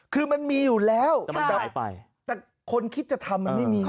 คือมันมีอยู่แล้วแต่คนคิดจะทำมันไม่มี